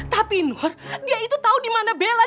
tapi nur dia itu tahu di mana bella